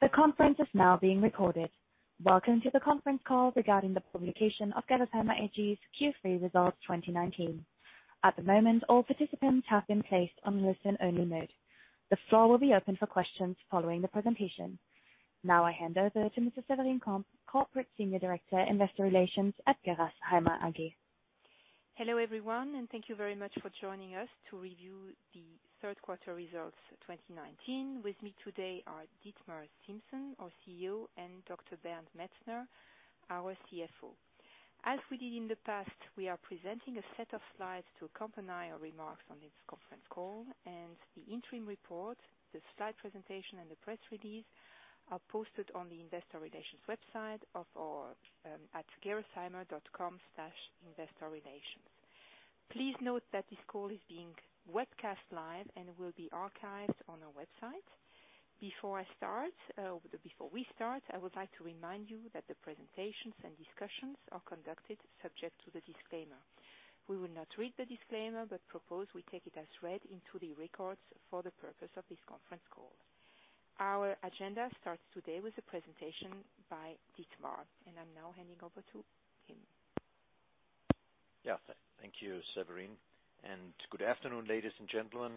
The conference is now being recorded. Welcome to the conference call regarding the publication of Gerresheimer AG's Q3 results 2019. At the moment, all participants have been placed on listen-only mode. The floor will be open for questions following the presentation. Now I hand over to Ms. Severine Comte, Corporate Senior Director, Investor Relations at Gerresheimer AG. Hello, everyone, and thank you very much for joining us to review the third quarter results 2019. With me today are Dietmar Siemssen, our CEO, and Dr. Bernd Metzner, our CFO. As we did in the past, we are presenting a set of slides to accompany our remarks on this conference call and the interim report. The slide presentation and the press release are posted on the investor relations website at gerresheimer.com/investorrelations. Please note that this call is being webcast live and will be archived on our website. Before we start, I would like to remind you that the presentations and discussions are conducted subject to the disclaimer. We will not read the disclaimer but propose we take it as read into the records for the purpose of this conference call. Our agenda starts today with a presentation by Dietmar, and I am now handing over to him. Yeah. Thank you, Severine. Good afternoon, ladies and gentlemen.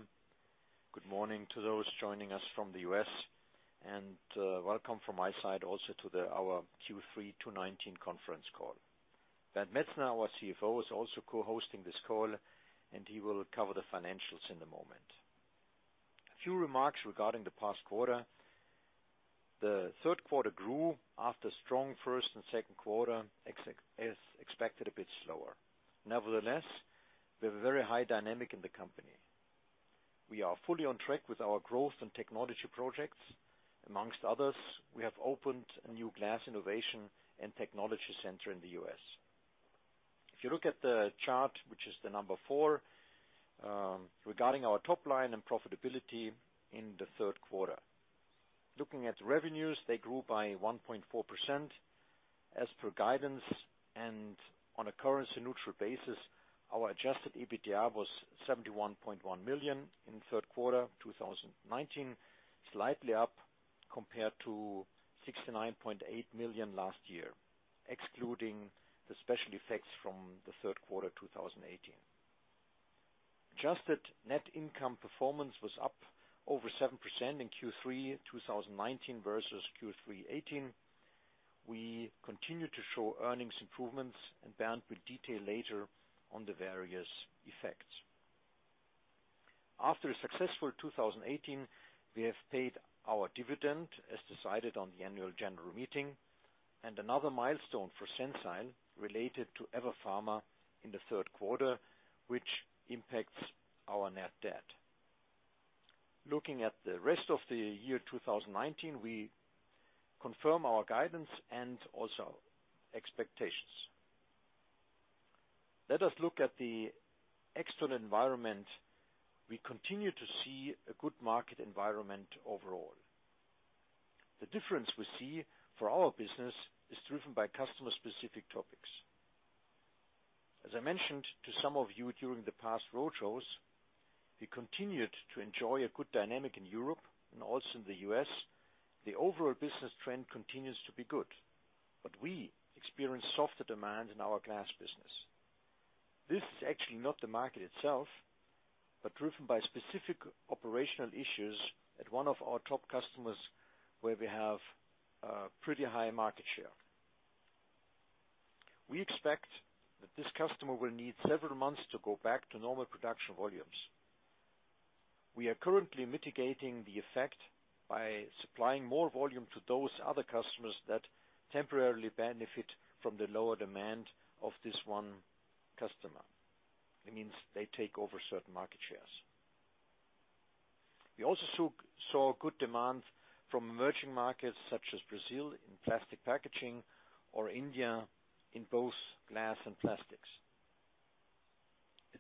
Good morning to those joining us from the U.S. Welcome from my side also to our Q3 2019 conference call. Bernd Metzner, our CFO, is also co-hosting this call. He will cover the financials in a moment. A few remarks regarding the past quarter. The third quarter grew after strong first and second quarter, as expected, a bit slower. Nevertheless, we have a very high dynamic in the company. We are fully on track with our growth and technology projects. Amongst others, we have opened a new Gx Glass Innovation and Technology Center in the U.S. If you look at the chart, which is the number four, regarding our top line and profitability in the third quarter. Looking at revenues, they grew by 1.4% as per guidance. On a currency-neutral basis, our adjusted EBITDA was 71.1 million in third quarter 2019, slightly up compared to 69.8 million last year, excluding the special effects from the third quarter 2018. Adjusted net income performance was up over 7% in Q3 2019 versus Q3 2018. We continue to show earnings improvements, and Bernd will detail later on the various effects. After a successful 2018, we have paid our dividend as decided on the annual general meeting. Another milestone for Sensile related to EVER Pharma in the third quarter, which impacts our net debt. Looking at the rest of the year 2019, we confirm our guidance and also expectations. Let us look at the external environment. We continue to see a good market environment overall. The difference we see for our business is driven by customer-specific topics. As I mentioned to some of you during the past roadshows, we continued to enjoy a good dynamic in Europe and also in the U.S. The overall business trend continues to be good, but we experienced softer demand in our glass business. This is actually not the market itself, but driven by specific operational issues at one of our top customers, where we have a pretty high market share. We expect that this customer will need several months to go back to normal production volumes. We are currently mitigating the effect by supplying more volume to those other customers that temporarily benefit from the lower demand of this one customer. It means they take over certain market shares. We also saw good demand from emerging markets such as Brazil in plastic packaging or India in both glass and plastics.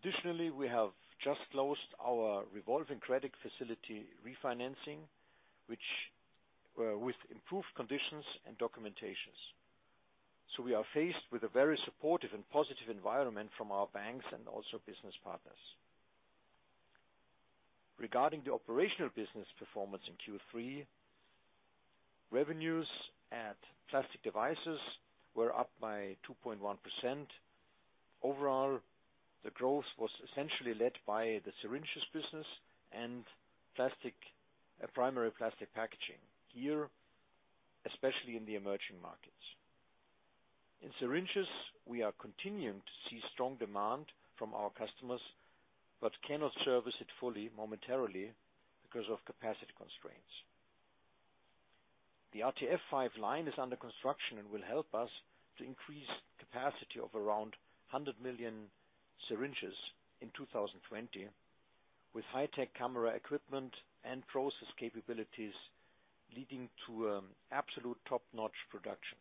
We have just closed our revolving credit facility refinancing with improved conditions and documentations. We are faced with a very supportive and positive environment from our banks and also business partners. Regarding the operational business performance in Q3, revenues at Plastics & Devices were up by 2.1%. The growth was essentially led by the syringes business and primary plastic packaging, here, especially in the emerging markets. In syringes, we are continuing to see strong demand from our customers but cannot service it fully momentarily because of capacity constraints. The RTF five line is under construction and will help us to increase capacity of around 100 million syringes in 2020 with high-tech camera equipment and process capabilities, leading to absolute top-notch production.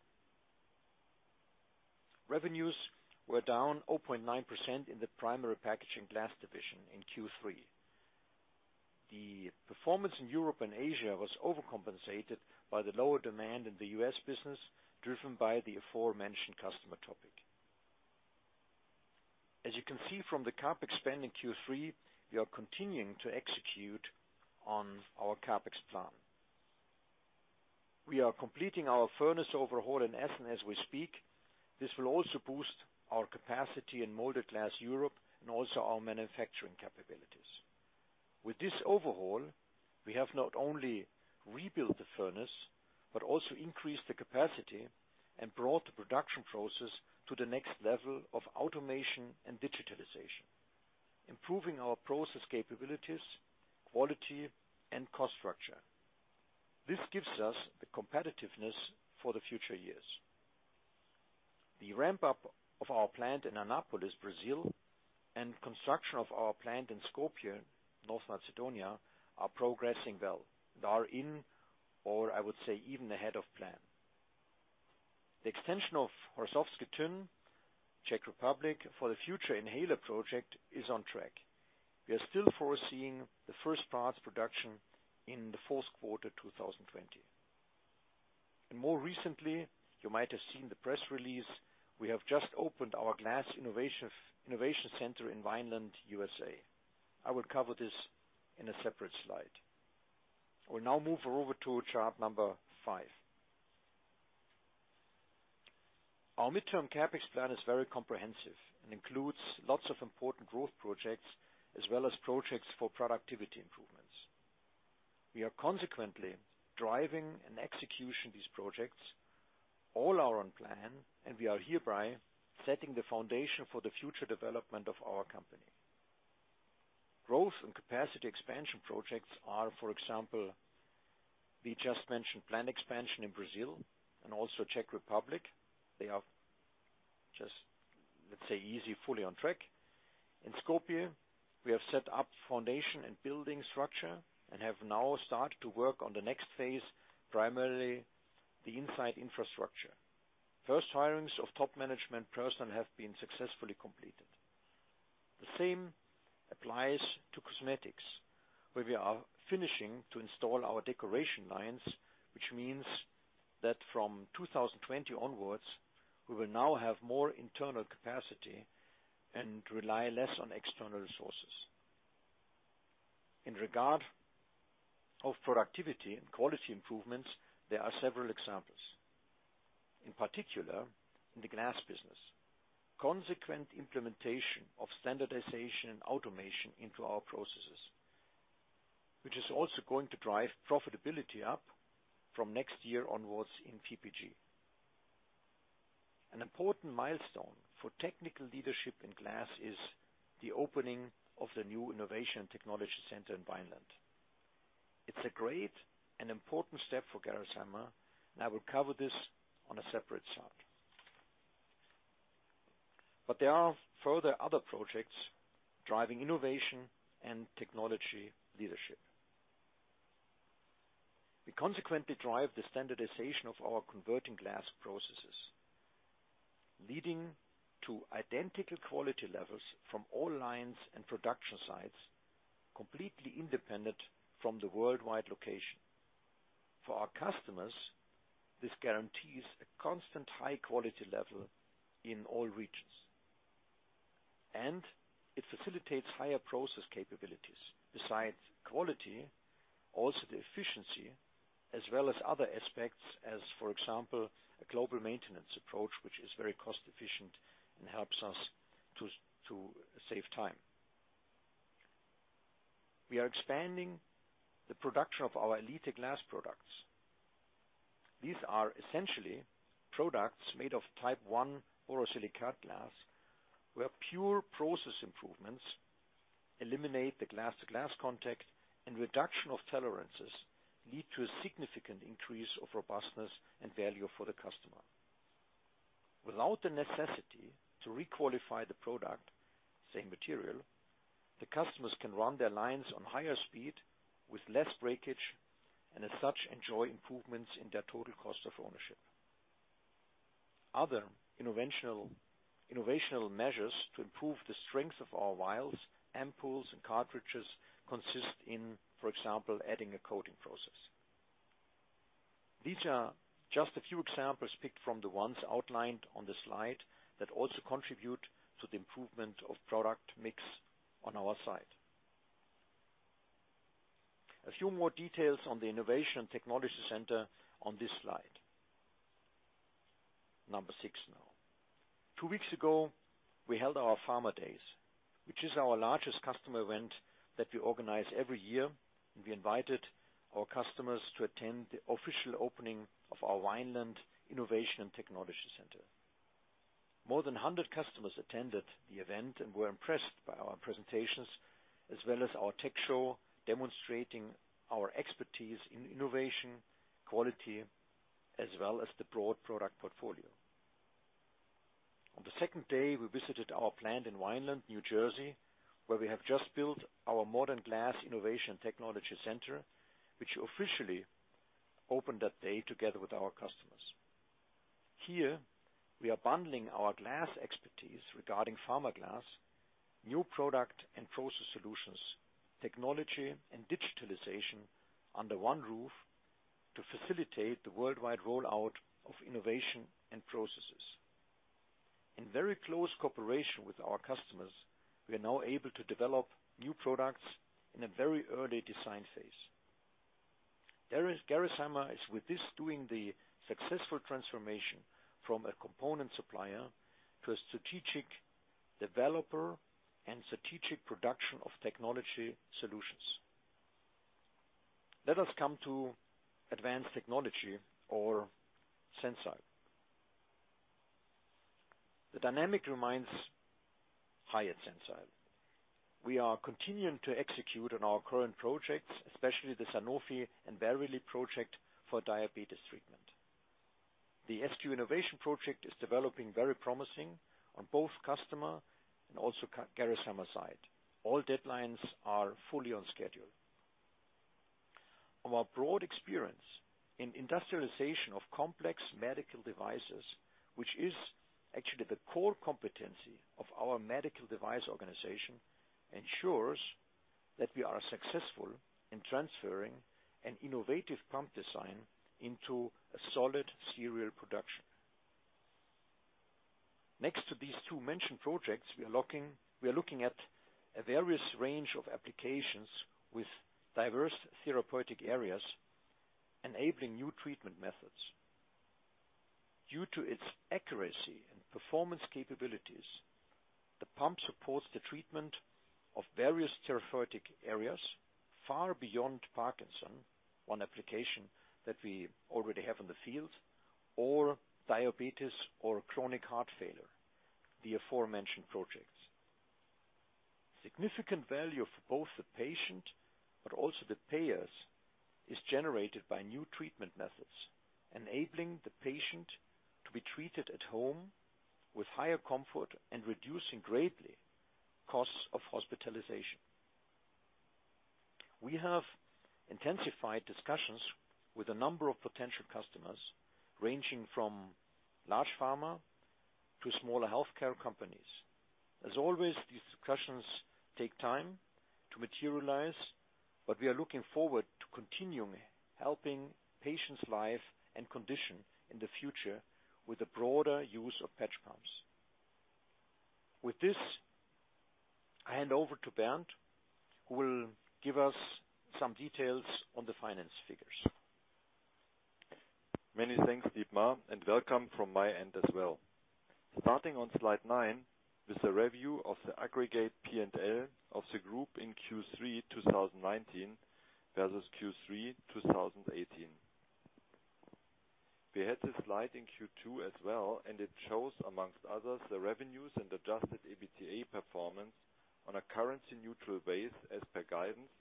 Revenues were down 0.9% in the primary packaging glass division in Q3. The performance in Europe and Asia was overcompensated by the lower demand in the U.S. business, driven by the aforementioned customer topic. As you can see from the CapEx spend in Q3, we are continuing to execute on our CapEx plan. We are completing our furnace overhaul in Essen as we speak. This will also boost our capacity in molded glass Europe and also our manufacturing capabilities. With this overhaul, we have not only rebuilt the furnace, but also increased the capacity and brought the production process to the next level of automation and digitalization, improving our process capabilities, quality, and cost structure. This gives us the competitiveness for the future years. The ramp-up of our plant in Anápolis, Brazil, and construction of our plant in Skopje, North Macedonia, are progressing well. They are in or, I would say, even ahead of plan. The extension of Horšovský Týn, Czech Republic, for the future inhaler project is on track. We are still foreseeing the first parts production in the fourth quarter 2020. More recently, you might have seen the press release, we have just opened our Glass Innovation Center in Vineland, U.S.A. I will cover this in a separate slide. We will now move over to chart number five. Our midterm CapEx plan is very comprehensive and includes lots of important growth projects as well as projects for productivity improvements. We are consequently driving and executing these projects. All are on plan, and we are hereby setting the foundation for the future development of our company. Growth and capacity expansion projects are, for example, we just mentioned plant expansion in Brazil and also Czech Republic. They are just, let's say, easy, fully on track. In Skopje, we have set up foundation and building structure and have now started to work on the next phase, primarily the inside infrastructure. First hirings of top management personnel have been successfully completed. The same applies to cosmetics, where we are finishing to install our decoration lines, which means that from 2020 onwards, we will now have more internal capacity and rely less on external resources. In regard of productivity and quality improvements, there are several examples. In particular, in the glass business, consequent implementation of standardization and automation into our processes, which is also going to drive profitability up from next year onwards in PPG. An important milestone for technical leadership in glass is the opening of the new Innovation Technology Center in Vineland. It's a great and important step for Gerresheimer. I will cover this on a separate slide. There are further other projects driving innovation and technology leadership. We consequently drive the standardization of our converting glass processes, leading to identical quality levels from all lines and production sites, completely independent from the worldwide location. For our customers, this guarantees a constant high-quality level in all regions. It facilitates higher process capabilities. Besides quality, also the efficiency, as well as other aspects as, for example, a global maintenance approach, which is very cost-efficient and helps us to save time. We are expanding the production of our Elite glass products. These are essentially products made of Type I borosilicate glass, where pure process improvements eliminate the glass-to-glass contact and reduction of tolerances lead to a significant increase of robustness and value for the customer. Without the necessity to requalify the product, same material, the customers can run their lines on higher speed with less breakage, and as such, enjoy improvements in their total cost of ownership. Other innovational measures to improve the strength of our vials, ampoules, and cartridges consist in, for example, adding a coating process. These are just a few examples picked from the ones outlined on the slide that also contribute to the improvement of product mix on our side. A few more details on the Innovation and Technology Center on this slide. Number six now. Two weeks ago, we held our Pharma Days, which is our largest customer event that we organize every year, and we invited our customers to attend the official opening of our Vineland Innovation and Technology Center. More than 100 customers attended the event and were impressed by our presentations as well as our tech show demonstrating our expertise in innovation, quality, as well as the broad product portfolio. On the second day, we visited our plant in Vineland, New Jersey, where we have just built our modern Glass Innovation Technology Center, which officially opened that day together with our customers. Here, we are bundling our glass expertise regarding pharma glass, new product and process solutions, technology, and digitalization under one roof to facilitate the worldwide rollout of innovation and processes. In very close cooperation with our customers, we are now able to develop new products in a very early design phase. Gerresheimer is with this doing the successful transformation from a component supplier to a strategic developer and strategic production of technology solutions. Let us come to Advanced Technologies or Sensile. The dynamic remains high at Sensile. We are continuing to execute on our current projects, especially the Sanofi and Verily project for diabetes treatment. The SQ Innovation project is developing very promising on both customer and also Gerresheimer side. All deadlines are fully on schedule. Our broad experience in industrialization of complex medical devices, which is actually the core competency of our medical device organization, ensures that we are successful in transferring an innovative pump design into a solid serial production. Next to these two mentioned projects, we are looking at a various range of applications with diverse therapeutic areas, enabling new treatment methods. Due to its accuracy and performance capabilities, the pump supports the treatment of various therapeutic areas far beyond Parkinson, one application that we already have in the field, or diabetes or chronic heart failure, the aforementioned projects. Significant value for both the patient but also the payers is generated by new treatment methods, enabling the patient to be treated at home with higher comfort and reducing greatly costs of hospitalization. We have intensified discussions with a number of potential customers, ranging from large pharma to smaller healthcare companies. As always, these discussions take time to materialize, but we are looking forward to continuing helping patients' life and condition in the future with a broader use of patch pumps. With this, I hand over to Bernd, who will give us some details on the finance figures. Many thanks, Dietmar, and welcome from my end as well. Starting on slide nine with a review of the aggregate P&L of the group in Q3 2019 versus Q3 2018. We had this slide in Q2 as well. It shows, amongst others, the revenues and adjusted EBITDA performance on a currency-neutral base as per guidance.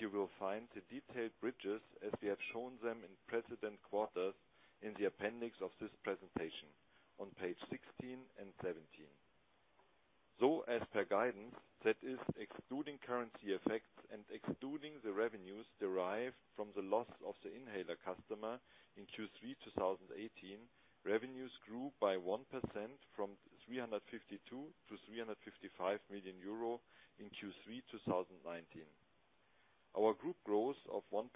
You will find the detailed bridges as we have shown them in precedent quarters in the appendix of this presentation on page 16 and 17. As per guidance, that is excluding currency effects and excluding the revenues derived from the loss of the inhaler customer in Q3 2018, revenues grew by 1% from 352 million to 355 million euro in Q3 2019. Our group growth of 1%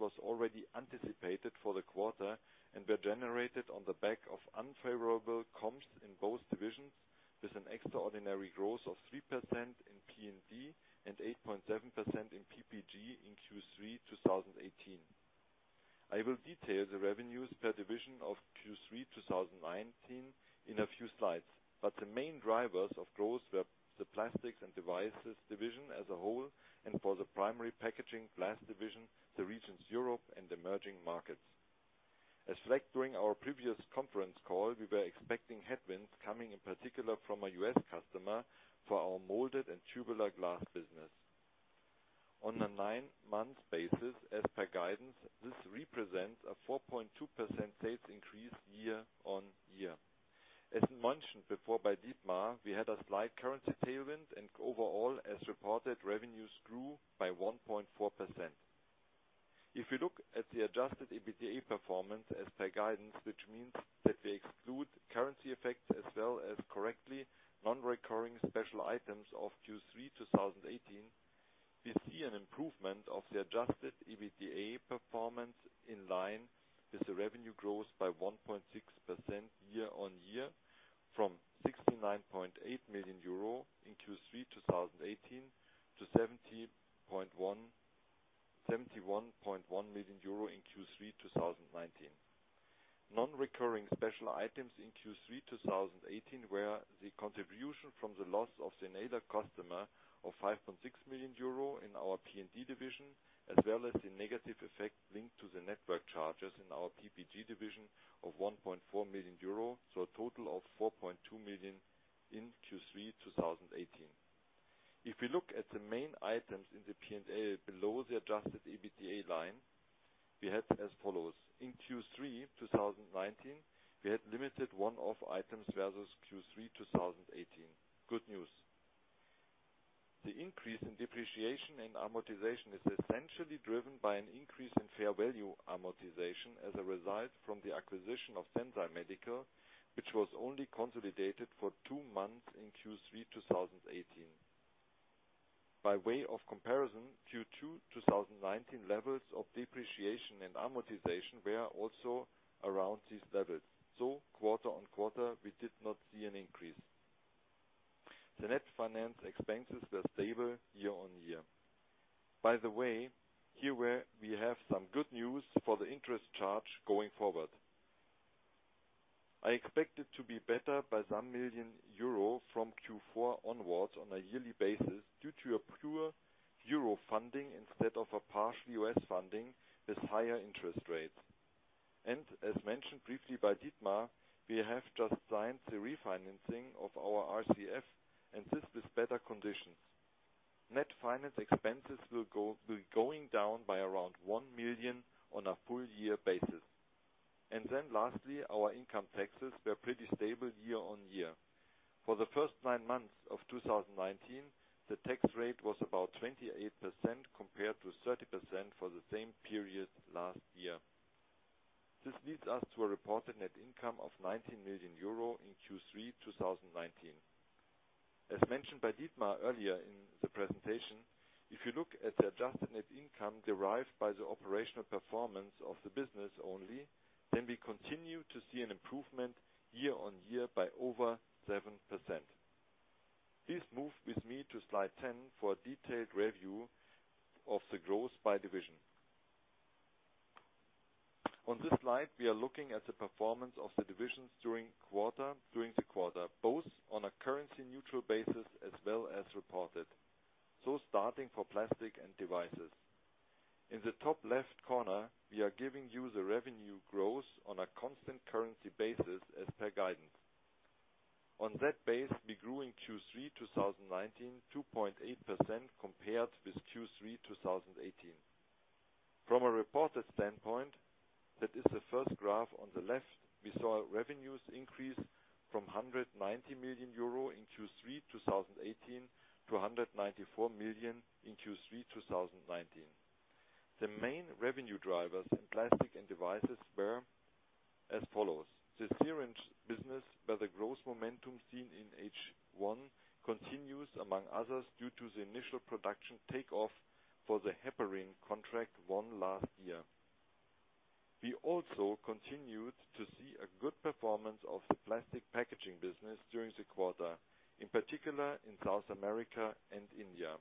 was already anticipated for the quarter and were generated on the back of unfavorable comps in both divisions, with an extraordinary growth of 3% in P&D and 8.7% in PPG in Q3 2018. I will detail the revenues per division of Q3 2019 in a few slides, but the main drivers of growth were the Plastics & Devices division as a whole, and for the primary packaging glass division, the regions Europe and the emerging markets. As flagged during our previous conference call, we were expecting headwinds coming in particular from a U.S. customer for our molded and tubular glass business. On a nine-month basis, as per guidance, this represents a 4.2% sales increase year-on-year. As mentioned before by Dietmar, we had a slight currency tailwind and overall, as reported, revenues grew by 1.4%. If you look at the adjusted EBITDA performance as per guidance, which means that we exclude currency effects as well as correctly non-recurring special items of Q3 2018, we see an improvement of the adjusted EBITDA performance in line with the revenue growth by 1.6% year-on-year from 69.8 million euro in Q3 2018 to 71.1 million euro in Q3 2019. Non-recurring special items in Q3 2018 were the contribution from the loss of the inhaler customer of 5.6 million euro in our P&D division, as well as the negative Starting for Plastics & Devices. In the top left corner, we are giving you the revenue growth on a constant currency basis as per guidance. On that base, we grew in Q3 2019, 2.8% compared with Q3 2018. From a reported standpoint, that is the first graph on the left, we saw revenues increase from 190 million euro in Q3 2018 to 194 million in Q3 2019. The main revenue drivers in Plastics & Devices were as follows. The syringe business, where the growth momentum seen in H1 continues among others due to the initial production takeoff for the heparin contract won last year. We also continued to see a good performance of the plastic packaging business during the quarter, in particular in South America and India.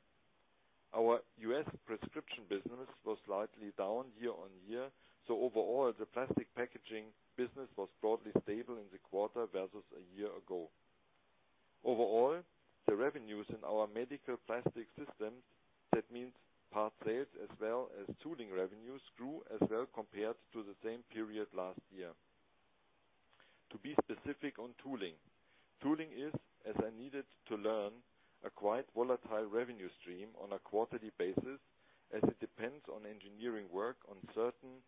Our U.S. prescription business was slightly down year on year. Overall, the plastic packaging business was broadly stable in the quarter versus a year ago. Overall, the revenues in our medical plastic systems, that means part sales as well as tooling revenues, grew as well compared to the same period last year. To be specific on tooling. Tooling is, as I needed to learn, a quite volatile revenue stream on a quarterly basis as it depends on engineering work on certain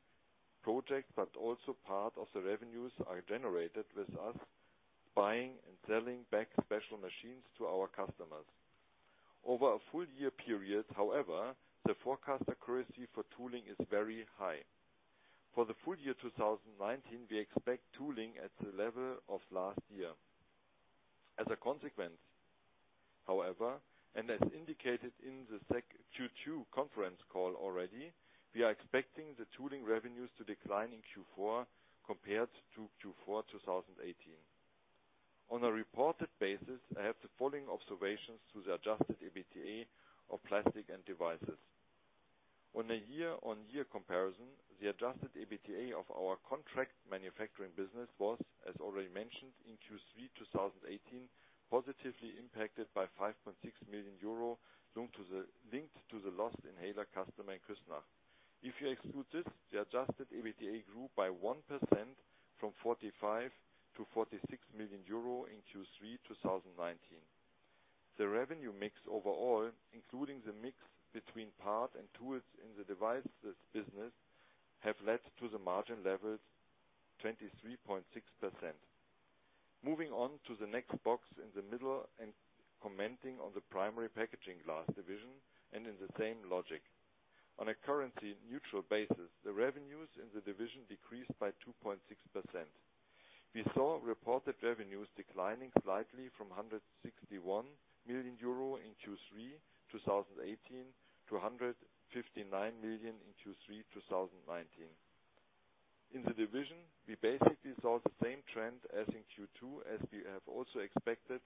projects, but also part of the revenues are generated with us buying and selling back special machines to our customers. Over a full-year period, however, the forecast accuracy for tooling is very high. For the full year 2019, we expect tooling at the level of last year. As a consequence, however, as indicated in the Q2 conference call already, we are expecting the tooling revenues to decline in Q4 compared to Q4 2018. On a reported basis, I have the following observations to the adjusted EBITDA of Plastics & Devices. On a year-over-year comparison, the adjusted EBITDA of our contract manufacturing business was, as already mentioned, in Q3 2018, positively impacted by 5.6 million euro linked to the lost inhaler customer in Küsnacht. If you exclude this, the adjusted EBITDA grew by 1% from 45 to 46 million euro in Q3 2019. The revenue mix overall, including the mix between part and tools in the devices business, have led to the margin levels 23.6%. Commenting on the next box in the middle and in the same logic. On a currency-neutral basis, the revenues in the Primary Packaging Glass division decreased by 2.6%. We saw reported revenues declining slightly from 161 million euro in Q3 2018 to 159 million in Q3 2019. In the division, we basically saw the same trend as in Q2 as we have also expected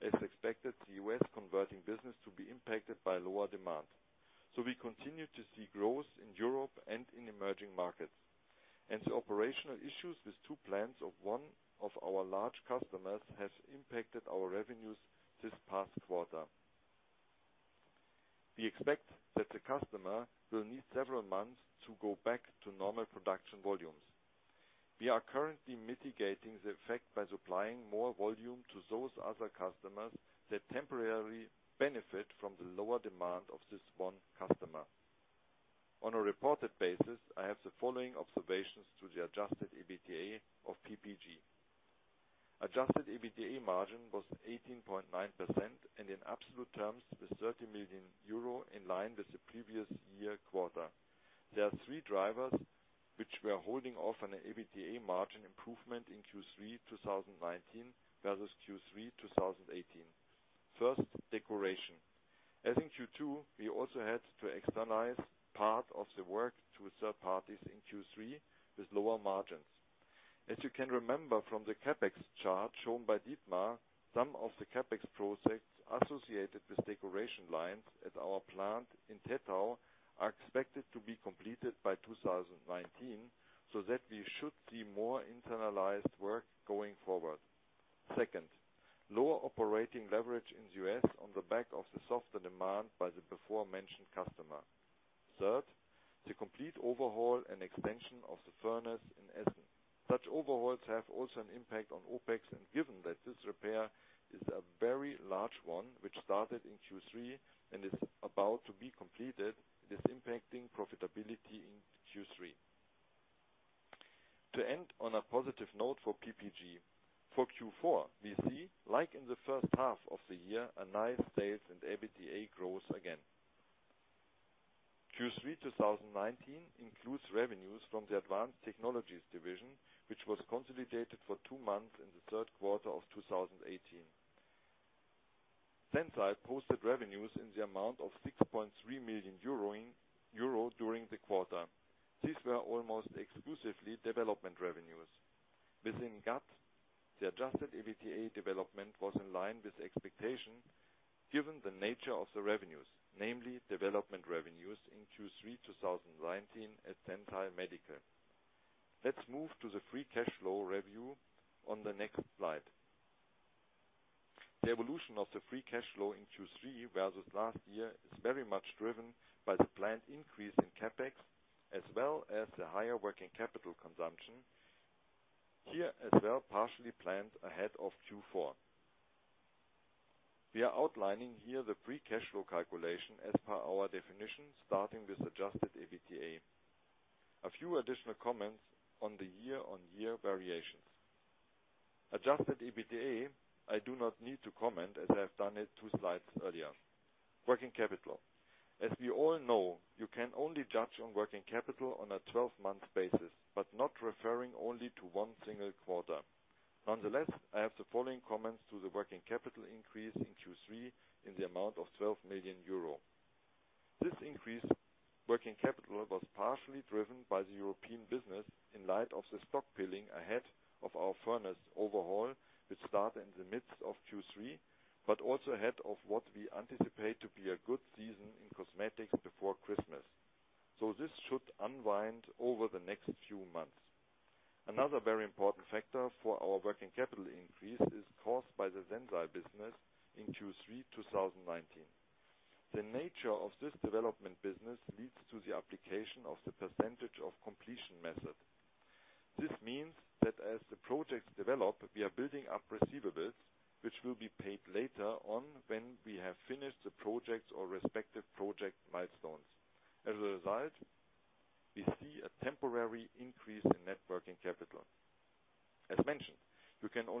the U.S. converting business to be impacted by lower demand. We continue to see growth in Europe and in emerging markets. The operational issues with two plants of one of our large customers have impacted our revenues this past quarter. We expect that the customer will need several months to go back to normal production volumes. We are currently mitigating the effect by supplying more volume to those other customers that temporarily benefit from the lower demand of this one customer. On a reported basis, I have the following observations to the adjusted EBITDA of PPG. Adjusted EBITDA margin was 18.9% and in absolute terms was 30 million euro in line with the previous year quarter. There are three drivers Which were holding off on an EBITDA margin improvement in Q3 2019 versus Q3 2018. First, decoration. As in Q2, we also had to externalize part of the work to third parties in Q3 with lower margins. As you can remember from the CapEx chart shown by Dietmar, some of the CapEx projects associated with decoration lines at our plant in Tettau are expected to be completed by 2019, so that we should see more internalized work going forward. Second, lower operating leverage in the U.S. on the back of the softer demand by the before-mentioned customer. Third, the complete overhaul and extension of the furnace in Essen. Such overhauls have also an impact on OpEx, and given that this repair is a very large one, which started in Q3 and is about to be completed, it is impacting profitability in Q3. To end on a positive note for PPG, for Q4, we see, like in the first half of the year, a nice sales and EBITDA growth again. Q3 2019 includes revenues from the Advanced Technologies division, which was consolidated for two months in the third quarter of 2018. Sensile posted revenues in the amount of 6.3 million euro during the quarter. These were almost exclusively development revenues. Within GAT, the adjusted EBITDA development was in line with expectation given the nature of the revenues, namely development revenues in Q3 2019 at Sensile Medical. Let's move to the free cash flow review on the next slide. The evolution of the free cash flow in Q3 versus last year is very much driven by the planned increase in CapEx, as well as the higher working capital consumption, here as well partially planned ahead of Q4. We are outlining here the free cash flow calculation as per our definition, starting with adjusted EBITDA. A few additional comments on the year-on-year variations. Adjusted EBITDA, I do not need to comment as I have done it two slides earlier. Working capital. As we all know, you can only judge on working capital on a 12-month basis, but not referring only to one single quarter. Nonetheless, I have the following comments to the working capital increase in Q3 in the amount of 12 million euro. This increase in working capital was partially driven by the European business in light of the stockpiling ahead of our furnace overhaul, which started in the midst of Q3, but also ahead of what we anticipate to be a good season in cosmetics before Christmas. This should unwind over the next few months. Another very important factor for our working capital increase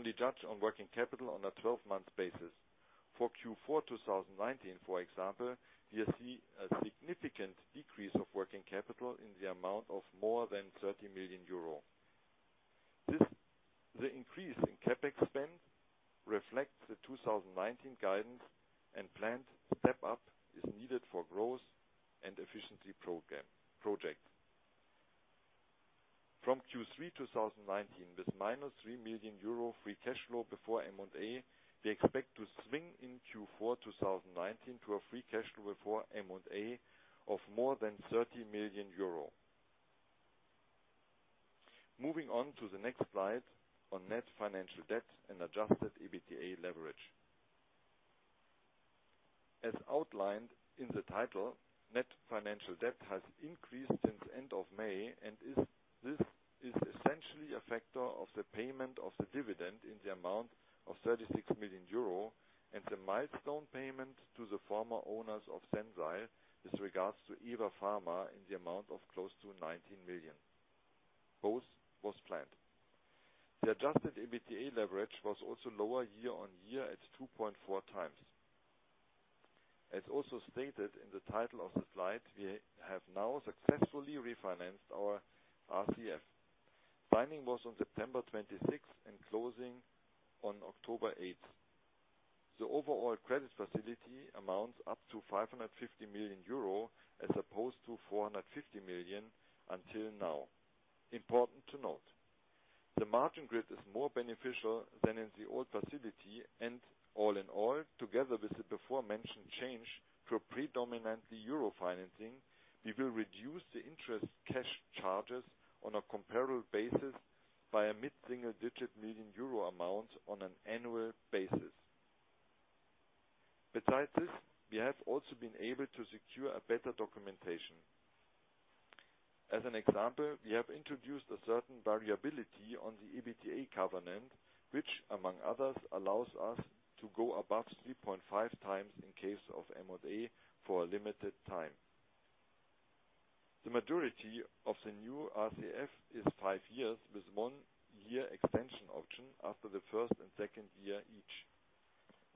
is caused by the Sensile business in Q3 2019. The nature of this development business leads to the application of the percentage of completion method. This means that as the projects develop, we are building up receivables, which will be paid later on when we have finished the projects or respective project milestones. As a result, we see a temporary increase in net working capital. As mentioned, you can only judge on working capital on a 12-month basis. For Q4 2019, for example, we see a significant decrease of working capital in the amount of more than EUR 30 million. The increase in CapEx spend reflects the 2019 guidance and planned step-up is needed for growth and efficiency project. From Q3 2019, with minus 3 million euro free cash flow before M&A, we expect to swing in Q4 2019 to a free cash flow before M&A of more than 30 million euro. Moving on to the next slide on net financial debt and adjusted EBITDA leverage. As outlined in the title, net financial debt has increased since end of May. This is essentially a factor of the payment of the dividend in the amount of 36 million euro and the milestone payment to the former owners of Sensile Medical with regards to EVER Pharma in the amount of close to 19 million. Both was planned. The adjusted EBITDA leverage was also lower year-on-year at 2.4 times. As also stated in the title of the slide, we have now successfully refinanced our RCF. Funding was on September 26th. Closing on October 8th. The overall credit facility amounts up to 550 million euro as opposed to 450 million until now. Important to note, the margin grid is more beneficial than in the old facility and all in all, together with the before mentioned change to a predominantly EUR financing, we will reduce the interest cash charges on a comparable basis by a mid-single digit million EUR amount on an annual basis. Besides this, we have also been able to secure a better documentation. As an example, we have introduced a certain variability on the EBITDA covenant, which among others, allows us to go above 3.5 times in case of M&A for a limited time. The majority of the new RCF is five years with one year extension option after the first and second year each.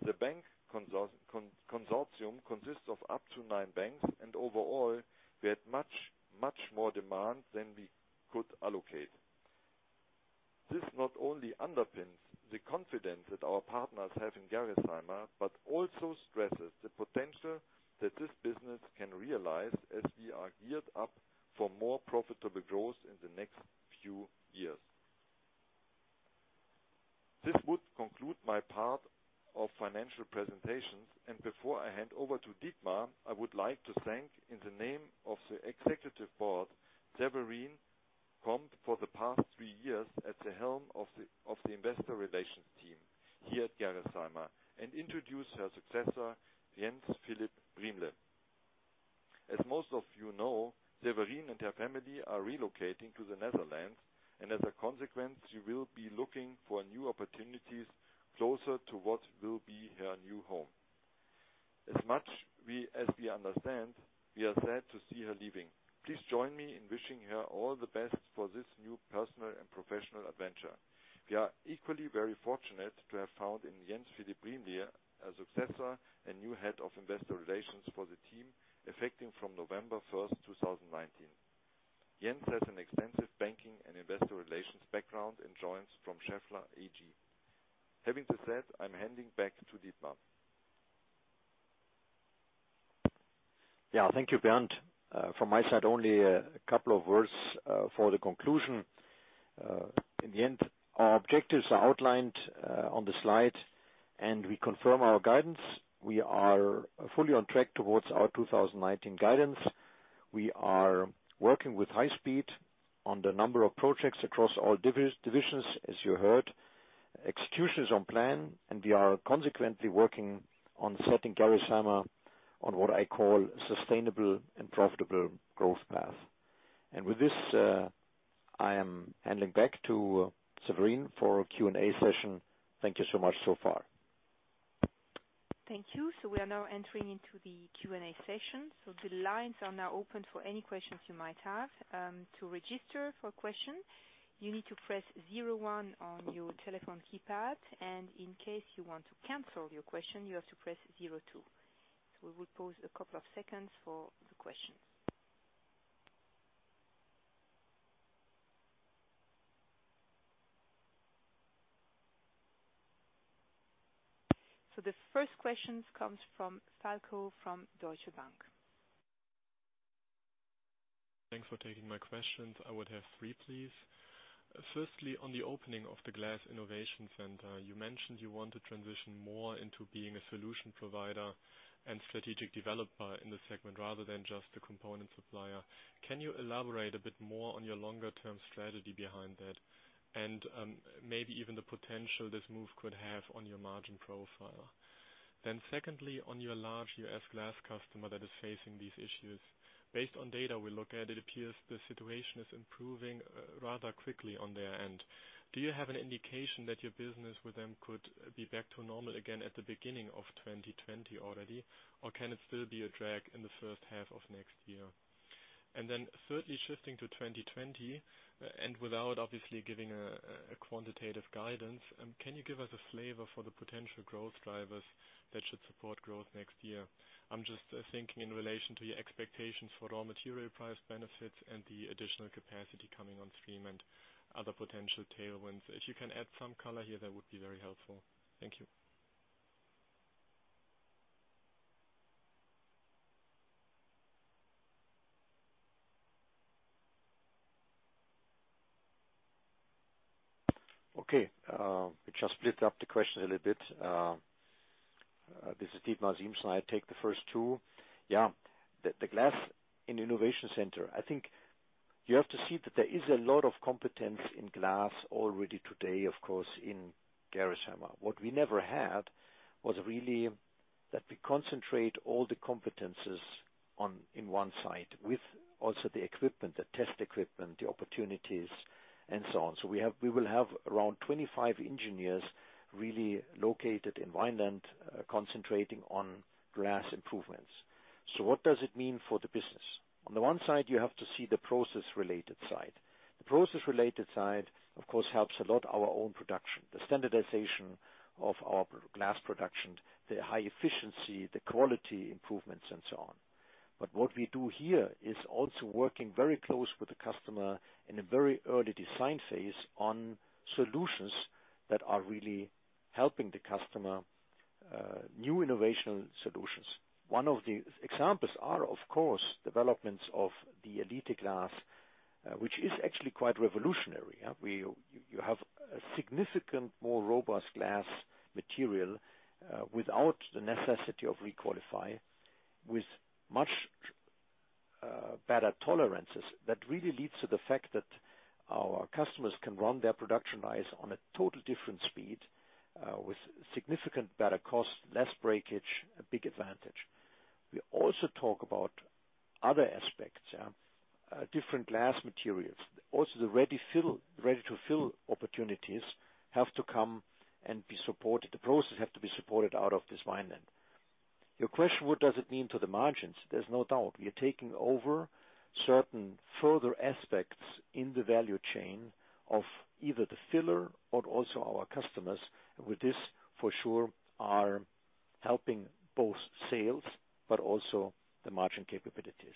The bank consortium consists of up to nine banks, and overall, we had much more demand than we could allocate. This not only underpins the confidence that our partners have in Gerresheimer, but also stresses the potential that this business can realize as we are geared up for more profitable growth in the next few years. This would conclude my part of financial presentations, and before I hand over to Dietmar, I would like to thank, in the name of the executive board, Severine Comte for the past three years at the helm of the investor relations team here at Gerresheimer, and introduce her successor, Jens Philipp-Bühle. As most of you know, Severine and her family are relocating to the Netherlands, and as a consequence, she will be looking for new opportunities closer to what will be her new home. As much as we understand, we are sad to see her leaving. Please join me in wishing her all the best for this new personal and professional adventure. We are equally very fortunate to have found in Jens Philipp-Bühle a successor and new head of investor relations for the team, effecting from November 1st, 2019. Jens has an extensive banking and investor relations background and joins from Schaeffler AG. Having said, I'm handing back to Dietmar. Yeah. Thank you, Bernd. From my side, only a couple of words for the conclusion. In the end, our objectives are outlined on the slide and we confirm our guidance. We are fully on track towards our 2019 guidance. We are working with high speed on the number of projects across all divisions, as you heard. Execution is on plan, and we are consequently working on setting Gerresheimer on what I call sustainable and profitable growth path. With this, I am handing back to Severine for Q&A session. Thank you so much so far. Thank you. We are now entering into the Q&A session. The lines are now open for any questions you might have. To register for a question, you need to press 01 on your telephone keypad, and in case you want to cancel your question, you have to press 02. We will pause a couple of seconds for the questions. The first question comes from Falko from Deutsche Bank. Thanks for taking my questions. I would have three, please. Firstly, on the opening of the Glass Innovation Center, you mentioned you want to transition more into being a solution provider and strategic developer in the segment rather than just a component supplier. Can you elaborate a bit more on your longer-term strategy behind that and maybe even the potential this move could have on your margin profile? Secondly, on your large U.S. glass customer that is facing these issues. Based on data we look at, it appears the situation is improving rather quickly on their end. Do you have an indication that your business with them could be back to normal again at the beginning of 2020 already, or can it still be a drag in the first half of next year? Thirdly, shifting to 2020 and without obviously giving a quantitative guidance, can you give us a flavor for the potential growth drivers that should support growth next year? I'm just thinking in relation to your expectations for raw material price benefits and the additional capacity coming on stream and other potential tailwinds. If you can add some color here, that would be very helpful. Thank you. Okay. We just split up the question a little bit. This is Dietmar Siemssen. I take the first two. Yeah. The Glass Innovation Center. I think you have to see that there is a lot of competence in glass already today, of course, in Gerresheimer. What we never had was really that we concentrate all the competencies in one site with also the equipment, the test equipment, the opportunities and so on. We will have around 25 engineers really located in Vineland, concentrating on glass improvements. What does it mean for the business? On the one side, you have to see the process-related side. The process-related side, of course, helps a lot our own production, the standardization of our glass production, the high efficiency, the quality improvements and so on. What we do here is also working very close with the customer in a very early design phase on solutions that are really helping the customer. New innovational solutions. One of the examples are, of course, developments of the Elite glass, which is actually quite revolutionary. You have a significant, more robust glass material without the necessity of requalify with much better tolerances. That really leads to the fact that our customers can run their production lines on a total different speed with significant better cost, less breakage, a big advantage. We also talk about other aspects. Different glass materials. Also, the ready-to-fill opportunities have to come and be supported. The processes have to be supported out of this Vineland. Your question, what does it mean to the margins? There's no doubt we are taking over certain further aspects in the value chain of either the filler or also our customers. With this, for sure, are helping both sales but also the margin capabilities.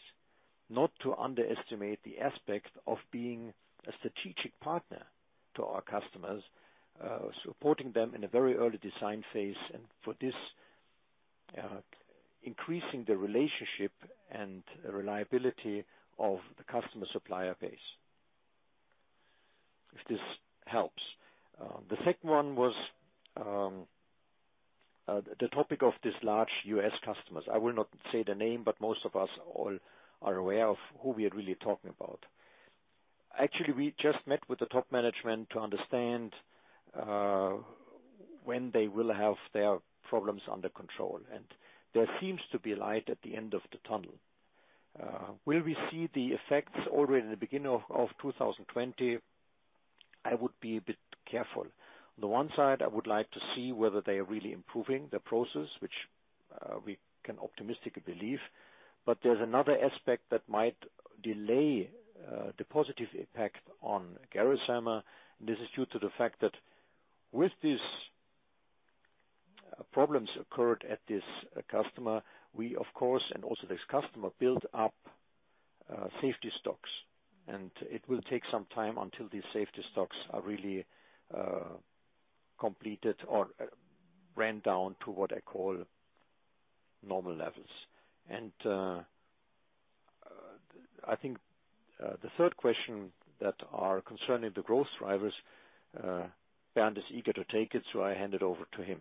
Not to underestimate the aspect of being a strategic partner to our customers, supporting them in a very early design phase, and for this, increasing the relationship and reliability of the customer supplier base. If this helps. The second one was the topic of this large U.S. customer. Most of us all are aware of who we are really talking about. Actually, we just met with the top management to understand, when they will have their problems under control. There seems to be light at the end of the tunnel. Will we see the effects already in the beginning of 2020? I would be a bit careful. On the one side, I would like to see whether they are really improving the process, which we can optimistically believe. There's another aspect that might delay the positive impact on Gerresheimer. This is due to the fact that with these problems occurred at this customer, we of course and also this customer, built up safety stocks. It will take some time until these safety stocks are really completed or ran down to what I call normal levels. I think, the third question that are concerning the growth drivers, Bernd is eager to take it, so I hand it over to him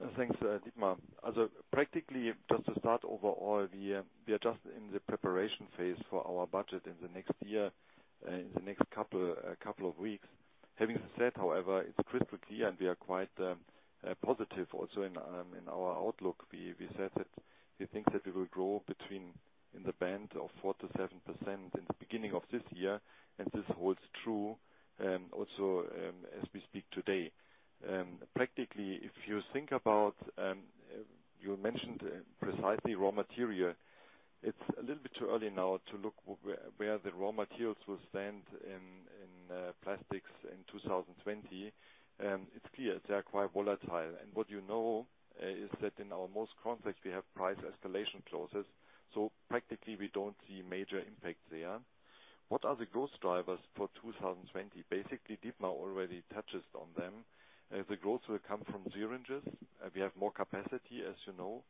now. Thanks, Dietmar. We are just in the preparation phase for our budget in the next year, in the next couple of weeks. Having said, however, it's crystal clear, and we are quite positive also in our outlook. We said that we think that we will grow between in the band of 4% to 7% in the beginning of this year. This holds true also as we speak today. Practically, if you think about, you mentioned precisely raw material. It's a little bit too early now to look where the raw materials will stand in plastics in 2020. It's clear they are quite volatile. What you know is that in our most contracts we have price escalation clauses, so practically, we don't see major impact there. What are the growth drivers for 2020? Basically, Dietmar already touches on them. The growth will come from syringes. We have more capacity, as you know.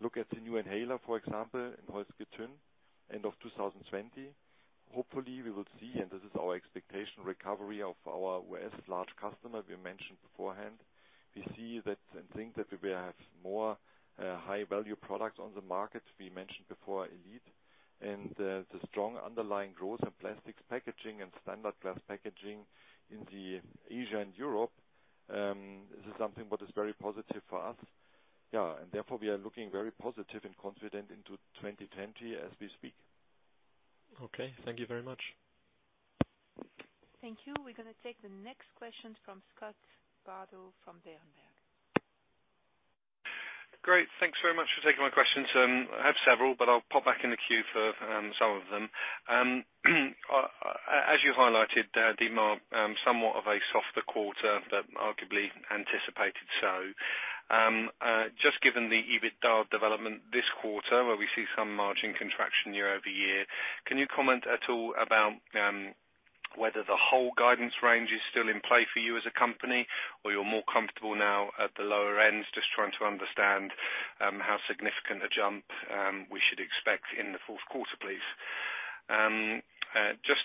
Look at the new inhaler, for example, in Wackersdorf end of 2020. Hopefully, we will see, and this is our expectation, recovery of our U.S. large customer we mentioned beforehand. We see that and think that we will have more high-value products on the market. We mentioned before Elite and the strong underlying growth in plastics packaging and standard glass packaging in the Asia and Europe. This is something what is very positive for us. Yeah, therefore we are looking very positive and confident into 2020 as we speak. Okay. Thank you very much. Thank you. We're going to take the next question from Scott Bardo from Berenberg. Great. Thanks very much for taking my questions. I have several, but I'll pop back in the queue for some of them. As you highlighted, Dietmar, somewhat of a softer quarter, but arguably anticipated so. Just given the EBITDA development this quarter where we see some margin contraction year-over-year, can you comment at all about whether the whole guidance range is still in play for you as a company, or you're more comfortable now at the lower end? Just trying to understand how significant a jump we should expect in the fourth quarter, please. Just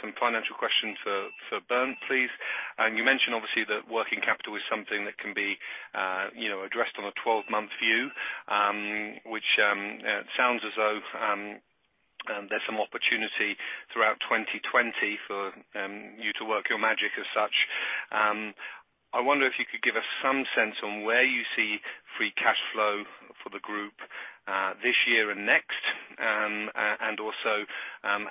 some financial questions for Bernd, please. You mentioned obviously that working capital is something that can be addressed on a 12-month view, which sounds as though there's some opportunity throughout 2020 for you to work your magic as such. I wonder if you could give us some sense on where you see free cash flow for the group this year and next, and also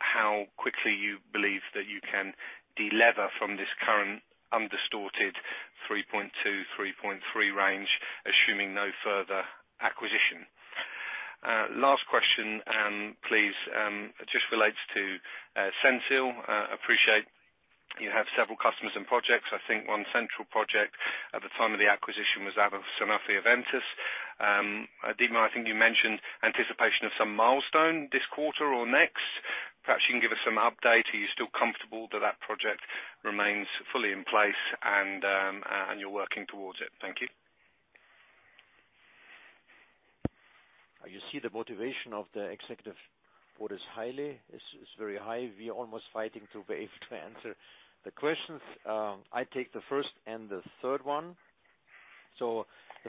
how quickly you believe that you can delever from this current undistorted 3.2-3.3 range, assuming no further acquisition. Last question please, just relates to Sensile. Appreciate you have several customers and projects. I think one central project at the time of the acquisition was out of Sanofi Verily. Dietmar, I think you mentioned anticipation of some milestone this quarter or next. Perhaps you can give us some update. Are you still comfortable that that project remains fully in place and you're working towards it? Thank you. You see the motivation of the executive board is very high. We are almost fighting to wave to answer the questions. I take the first and the third one. The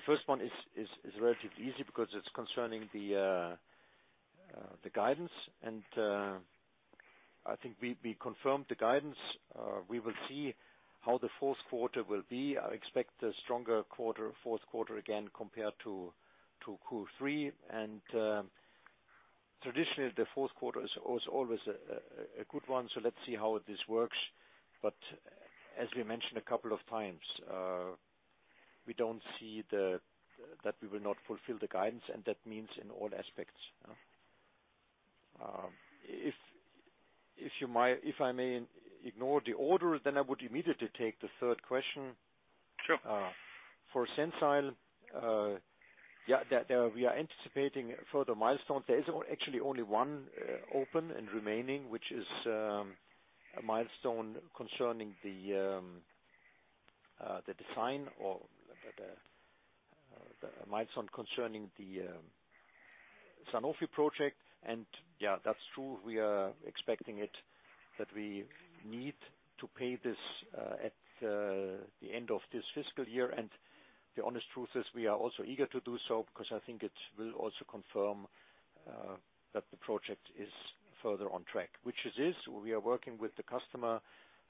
first one is relatively easy because it's concerning the guidance. I think we confirmed the guidance. We will see how the fourth quarter will be. I expect a stronger fourth quarter again compared to Q3. Traditionally, the fourth quarter is always a good one, so let's see how this works. As we mentioned a couple of times, we don't see that we will not fulfill the guidance, and that means in all aspects. If I may ignore the order, then I would immediately take the third question. Sure. For Sensile, we are anticipating further milestones. There is actually only one open and remaining, which is a milestone concerning the Sanofi project. Yeah, that's true, we are expecting it, that we need to pay this at the end of this fiscal year. The honest truth is we are also eager to do so, because I think it will also confirm that the project is further on track. Which it is. We are working with the customer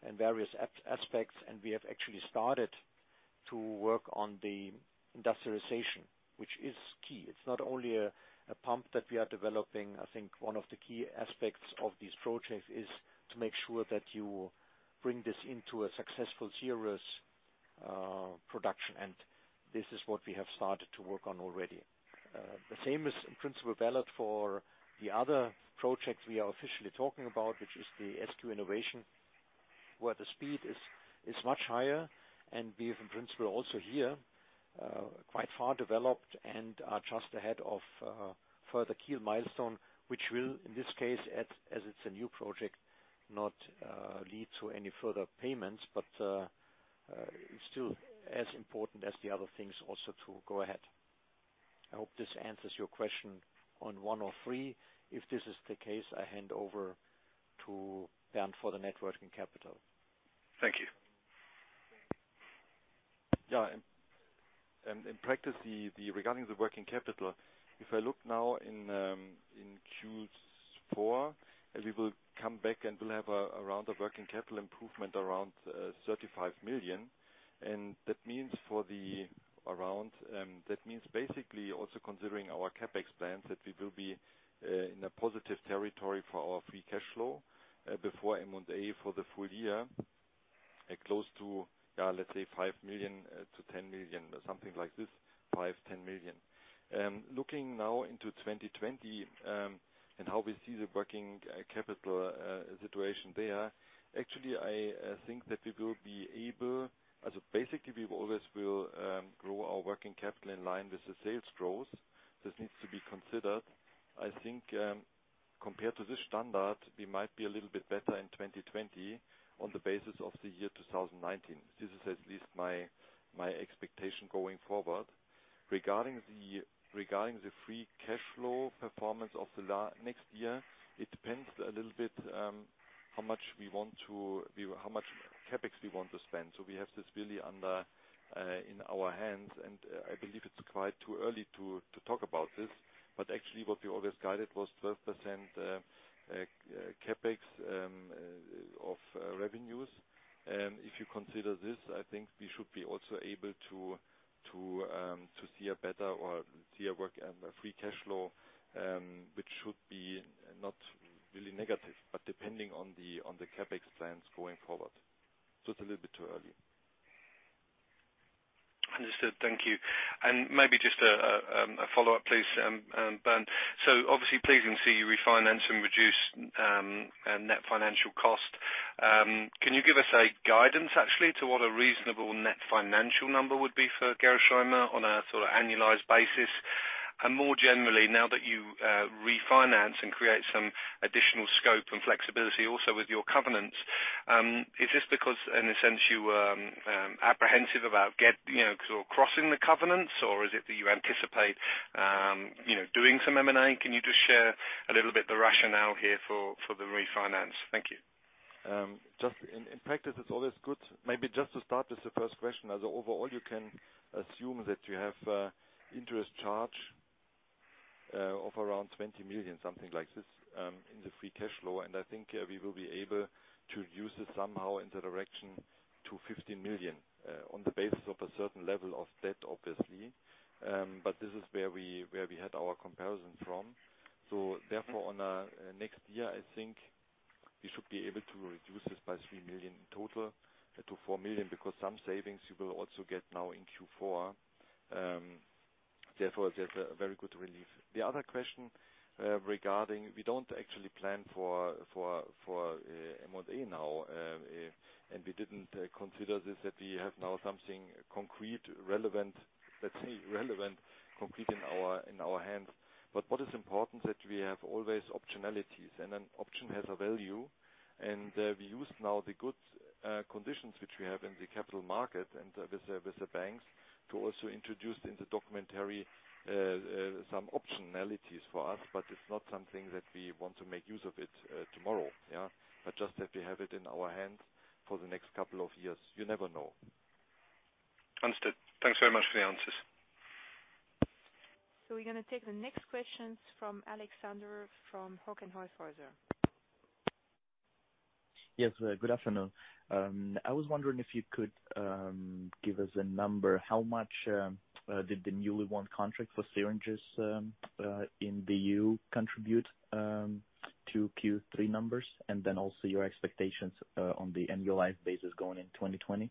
in various aspects, and we have actually started to work on the industrialization, which is key. It's not only a pump that we are developing. I think one of the key aspects of this project is to make sure that you bring this into a successful series production. This is what we have started to work on already. The same is in principle valid for the other project we are officially talking about, which is the SQ Innovation, where the speed is much higher and we have, in principle, also here, quite far developed and are just ahead of a further key milestone, which will, in this case, as it's a new project, not lead to any further payments. It's still as important as the other things also to go ahead. I hope this answers your question on one or three. If this is the case, I hand over to Bernd for the net working capital. Thank you. Yeah. In practice, regarding the working capital, if I look now in Q4, we will come back and we will have a round of working capital improvement around EUR 35 million. Basically, also considering our CapEx plans, that we will be in a positive territory for our free cash flow before M&A for the full year, close to, let's say, 5 million-10 million, something like this, 5 million, 10 million. Looking now into 2020, how we see the working capital situation there, actually, I think that we will be able. Basically, we always will grow our working capital in line with the sales growth. This needs to be considered. I think, compared to this standard, we might be a little bit better in 2020 on the basis of the year 2019. This is at least my expectation going forward. Regarding the free cash flow performance of the next year, it depends a little bit how much CapEx we want to spend. We have this really in our hands, and I believe it's quite too early to talk about this. Actually, what we always guided was 12% CapEx of revenues. If you consider this, I think we should be also able to see a better or see a free cash flow, which should be not really negative, but depending on the CapEx plans going forward. It's a little bit too early. Understood. Thank you. Maybe just a follow-up, please, Bernd. Obviously pleasing to see you refinance and reduce net financial cost. Can you give us a guidance, actually, to what a reasonable net financial number would be for Gerresheimer on a sort of annualized basis? More generally, now that you refinance and create some additional scope and flexibility also with your covenants, is this because, in a sense, you were apprehensive about crossing the covenants, or is it that you anticipate doing some M&A? Can you just share a little bit the rationale here for the refinance? Thank you. Just in practice, it's always good. Maybe just to start with the first question, as overall, you can assume that you have interest charge of around 20 million, something like this, in the free cash flow. I think we will be able to reduce it somehow in the direction to 15 million on the basis of a certain level of debt, obviously. This is where we had our comparison from. Therefore, on next year, I think we should be able to reduce this by 3 million in total to 4 million, because some savings you will also get now in Q4. That's a very good relief. The other question regarding, we don't actually plan for M&A now, and we didn't consider this, that we have now something concrete, relevant, let's say relevant, concrete in our hands. What is important that we have always optionalities, and an option has a value. We use now the good conditions which we have in the capital market and with the banks to also introduce in the documentary some optionalities for us, but it's not something that we want to make use of it tomorrow. Yeah. Just that we have it in our hands for the next couple of years. You never know. Understood. Thanks very much for the answers. We're going to take the next questions from Alexander from Hauck & Aufhäuser. Yes. Good afternoon. I was wondering if you could give us a number. How much did the newly won contract for syringes in the EU contribute to Q3 numbers, and then also your expectations on the annualized basis going in 2020?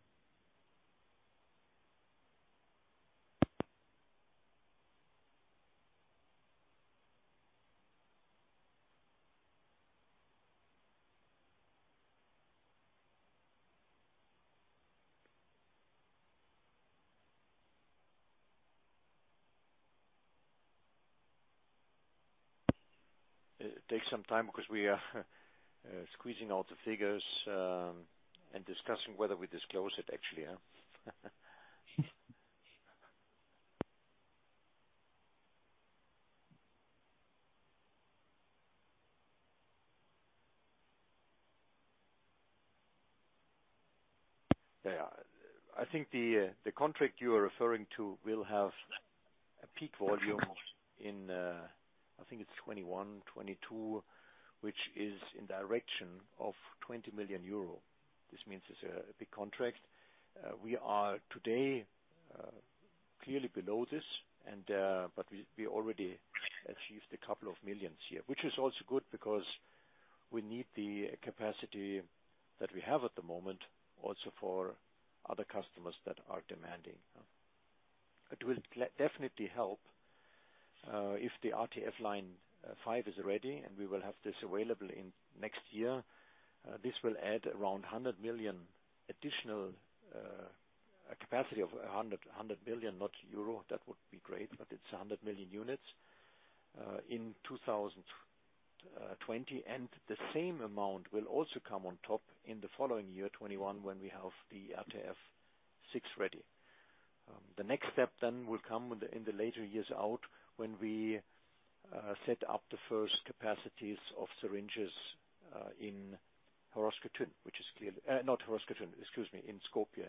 It takes some time because we are squeezing all the figures and discussing whether we disclose it, actually, yeah. I think the contract you are referring to will have a peak volume in, I think it's 2021, 2022, which is in direction of 20 million euro. This means it's a big contract. We are today clearly below this, we already achieved a couple of millions EUR here. Which is also good because we need the capacity that we have at the moment also for other customers that are demanding. It will definitely help if the RTF line 5 is ready, we will have this available in next year. This will add around 100 million additional capacity of 100 million, not EUR. That would be great, it's 100 million units, in 2020. The same amount will also come on top in the following year, 2021, when we have the RTF six ready. The next step then will come in the later years out when we set up the first capacities of syringes in Skopje,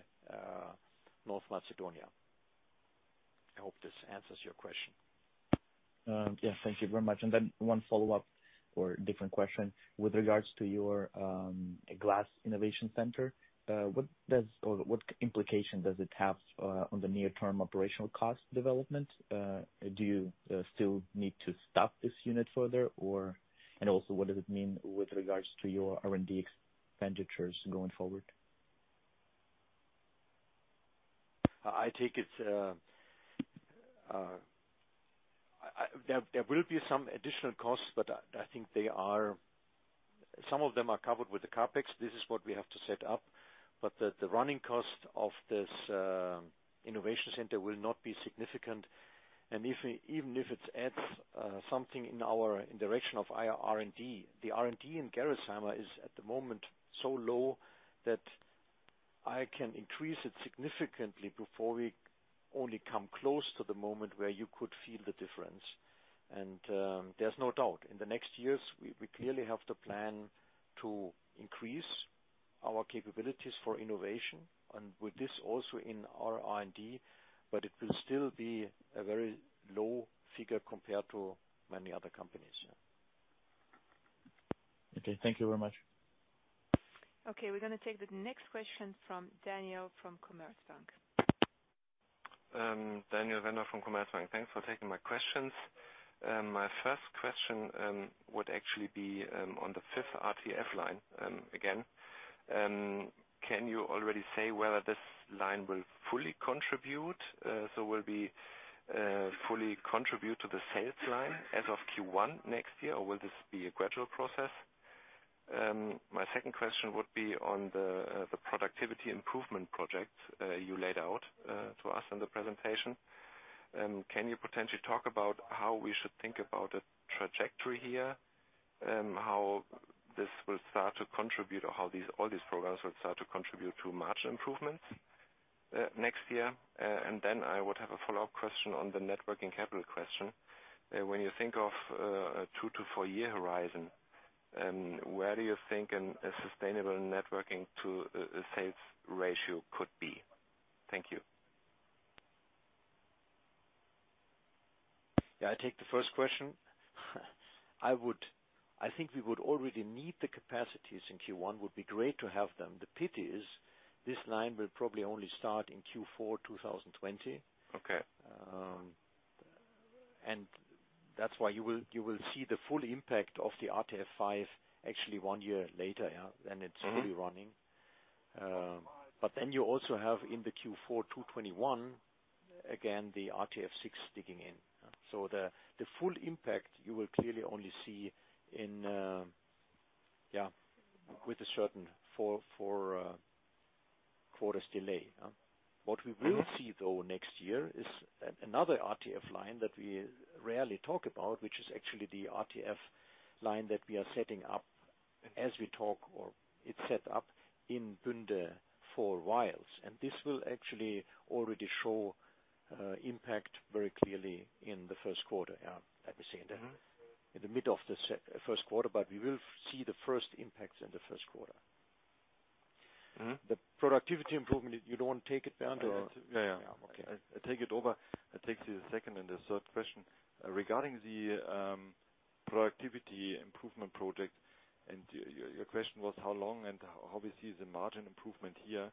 North Macedonia. I hope this answers your question. Yeah. Thank you very much. Then one follow-up or different question. With regards to your glass innovation center, what implication does it have on the near-term operational cost development? Do you still need to staff this unit further, and also, what does it mean with regards to your R&D expenditures going forward? There will be some additional costs, but I think some of them are covered with the CapEx. This is what we have to set up. The running cost of this innovation center will not be significant. Even if it adds something in direction of our R&D, the R&D in Gerresheimer is at the moment so low that I can increase it significantly before we only come close to the moment where you could feel the difference. There's no doubt, in the next years, we clearly have the plan to increase our capabilities for innovation and with this also in our R&D, but it will still be a very low figure compared to many other companies. Okay. Thank you very much. Okay, we're going to take the next question from Daniel from Commerzbank. Daniel Wernicke from Commerzbank. Thanks for taking my questions. My first question would actually be on the fifth RTF line again. Can you already say whether this line will fully contribute to the sales line as of Q1 next year, or will this be a gradual process? My second question would be on the productivity improvement project you laid out to us in the presentation. Can you potentially talk about how we should think about a trajectory here? How this will start to contribute or how all these programs will start to contribute to margin improvements, next year? I would have a follow-up question on the net working capital question. When you think of a two to four-year horizon, where do you think a sustainable networking to sales ratio could be? Thank you. Yeah. I take the first question. I think we would already need the capacities in Q1. Would be great to have them. The pity is this line will probably only start in Q4 2020. Okay. That's why you will see the full impact of the RTF 5 actually one year later, yeah, than it's fully running. You also have in the Q4 2021, again, the RTF 6 digging in. The full impact you will clearly only see with a certain four quarters delay. What we will see, though, next year is another RTF line that we rarely talk about, which is actually the RTF line that we are setting up as we talk, or it's set up in Bünde for vials. This will actually already show impact very clearly in the first quarter. Let me say in the mid of the first quarter, but we will see the first impacts in the first quarter. The productivity improvement, you don't want to take it, Bernd? Yeah. Okay. I take it over. It takes to the second and the third question. Regarding the productivity improvement project, and your question was how long and how we see the margin improvement here.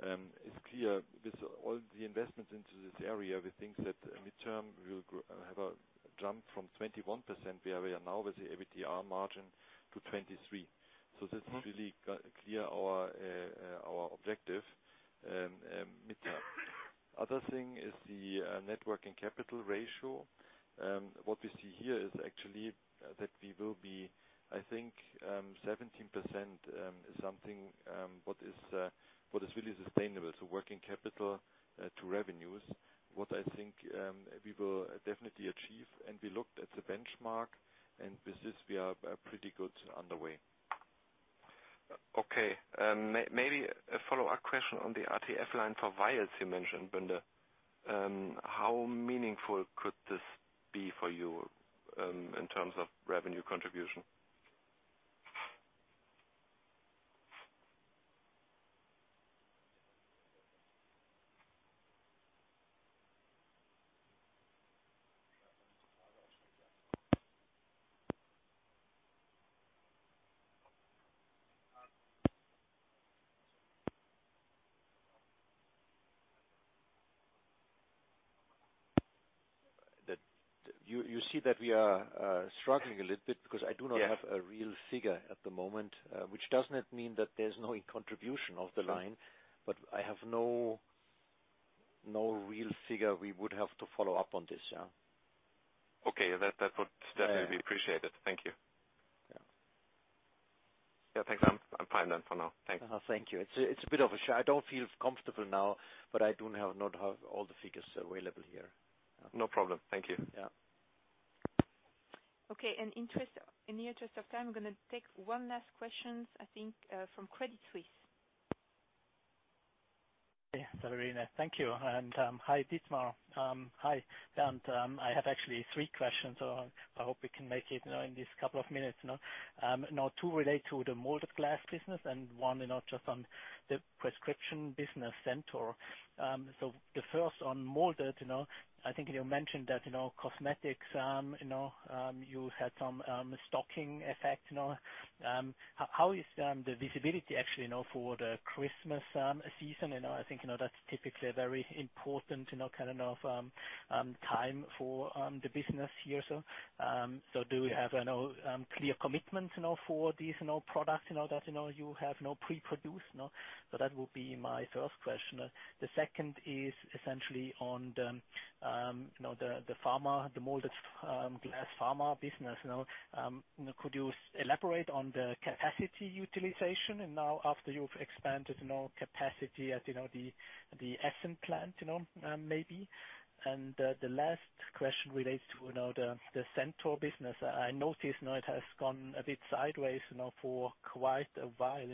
It's clear with all the investments into this area, we think that midterm we will have a jump from 21% where we are now with the EBITDA margin to 23%. That's really clear our objective midterm. Other thing is the net working capital ratio. What we see here is actually that we will be, I think, 17% is something what is really sustainable. Working capital to revenues, what I think we will definitely achieve. We looked at the benchmark and with this we are pretty good underway. Okay. Maybe a follow-up question on the RTF line for vials you mentioned, Bernd. How meaningful could this be for you in terms of revenue contribution? You see that we are struggling a little bit because I do not have a real figure at the moment, which does not mean that there's no contribution of the line. I have no real figure. We would have to follow up on this. Yeah. Okay. That would definitely be appreciated. Thank you. Yeah. Yeah, thanks. I'm fine then for now. Thanks. Thank you. It is a bit of a shame. I do not feel comfortable now, but I do not have all the figures available here. No problem. Thank you. Yeah. Okay, in the interest of time, I'm going to take one last question, I think, from Credit Suisse. Verena. Thank you. Hi, Dietmar. Hi, Bernd. I have actually three questions. I hope we can make it in these couple of minutes. Two relate to the molded glass business and one just on the prescription business Centor. The first on molded, I think you mentioned that cosmetics you had some stocking effect. How is the visibility actually now for the Christmas season? I think that's typically a very important time for the business here. Do we have a clear commitment for these products that you have pre-produced now? That would be my first question. The second is essentially on the molded glass pharma business. Could you elaborate on the capacity utilization now after you've expanded capacity at the Essen plant, maybe? The last question relates to the Centor business. I noticed now it has gone a bit sideways now for quite a while.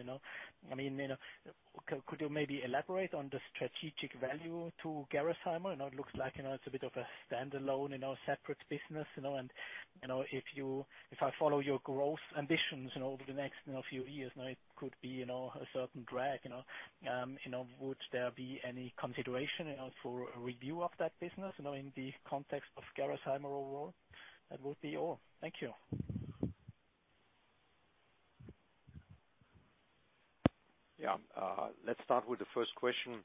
Could you maybe elaborate on the strategic value to Gerresheimer? It looks like it is a bit of a standalone, separate business, and if I follow your growth ambitions over the next few years, it could be a certain drag. Would there be any consideration for a review of that business in the context of Gerresheimer overall? That would be all. Thank you. Let's start with the first question.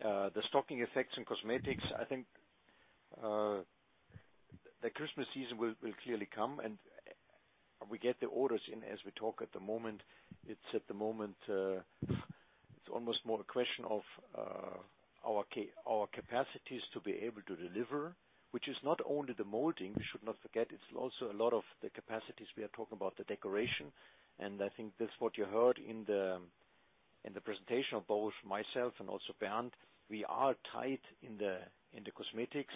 The stocking effects in cosmetics, I think, the Christmas season will clearly come, and we get the orders in as we talk at the moment. It's at the moment, it's almost more a question of our capacities to be able to deliver, which is not only the molding. We should not forget it's also a lot of the capacities we are talking about the decoration. And I think that's what you heard in the presentation of both myself and also Bernd. We are tight in the cosmetics.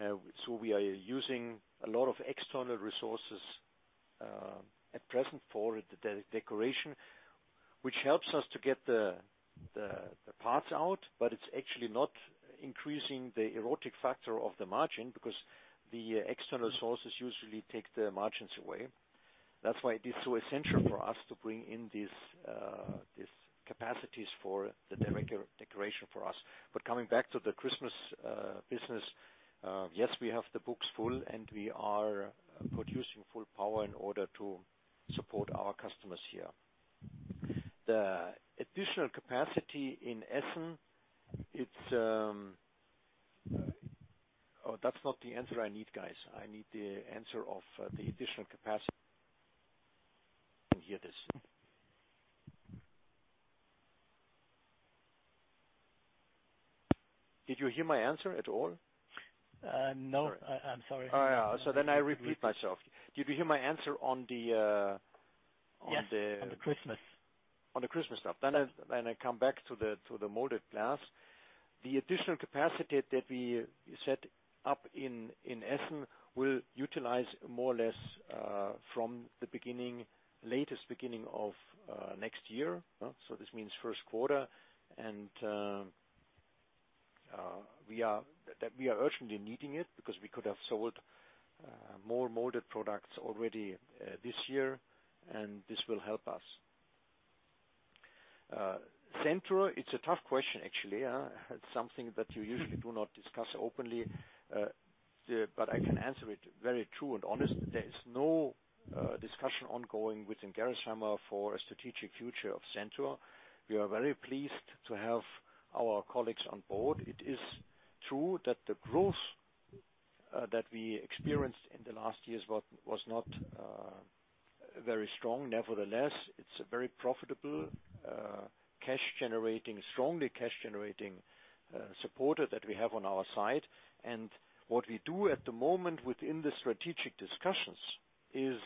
So we are using a lot of external resources at present for the decoration, which helps us to get the parts out, but it's actually not increasing the erosion factor of the margin because the external sources usually take the margins away. That's why it is so essential for us to bring in these capacities for the decoration for us. Coming back to the Christmas business, yes, we have the books full, and we are producing full power in order to support our customers here. The additional capacity in Essen. Oh, that's not the answer I need, guys. I need the answer of the additional capacity. Can you hear this? Did you hear my answer at all? No, I'm sorry. I repeat myself. Did you hear my answer on the-? Yes, on the Christmas. On the Christmas stuff. I come back to the molded glass. The additional capacity that we set up in Essen will utilize more or less from the latest beginning of next year. This means first quarter and we are urgently needing it because we could have sold more molded products already this year, and this will help us. Centor, it's a tough question, actually. It's something that you usually do not discuss openly. I can answer it very true and honestly. There is no discussion ongoing within Gerresheimer for a strategic future of Centor. We are very pleased to have our colleagues on board. It is true that the growth that we experienced in the last years was not very strong. Nevertheless, it's a very profitable, strongly cash-generating supporter that we have on our side. What we do at the moment within the strategic discussions is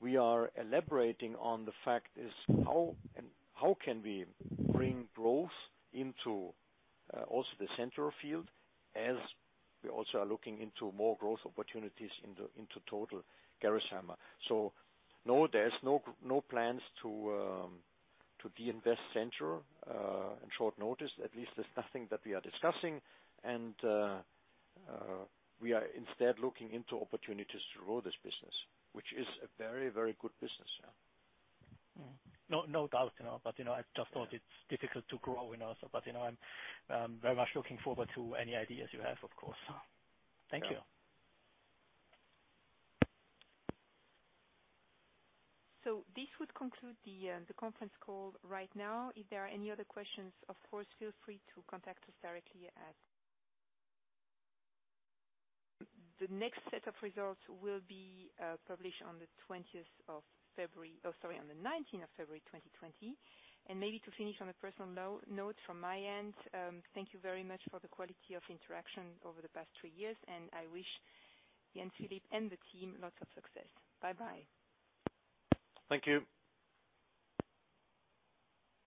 we are elaborating on the fact is how can we bring growth into also the Centor field, as we also are looking into more growth opportunities into total Gerresheimer. No, there's no plans to de-invest Centor on short notice. At least there's nothing that we are discussing. We are instead looking into opportunities to grow this business, which is a very good business. No doubt. I just thought it's difficult to grow. I'm very much looking forward to any ideas you have, of course. Thank you. This would conclude the conference call right now. If there are any other questions, of course, feel free to contact us directly. The next set of results will be published on the 19th of February 2020. Maybe to finish on a personal note from my end, thank you very much for the quality of interaction over the past three years, and I wish Jens-Philipp and the team lots of success. Bye-bye. Thank you.